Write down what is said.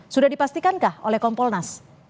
sudah dipastikankah oleh kompolnas